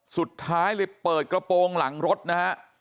สุดท้ายเลยเปิดกระโปรงหลังรถนะฮะ